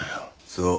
そう。